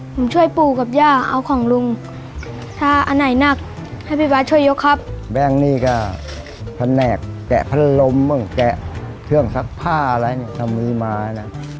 ผมช่วยปู่กับย่าเอาของลุงถ้าอันไหนหนักให้พี่บาทช่วยยกครับแบงค์นี่ก็แผนกแกะพัดลมบ้างแกะเครื่องซักผ้าอะไรเนี่ยถ้ามีมานะ